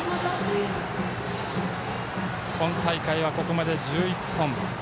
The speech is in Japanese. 今大会はここまで１１本。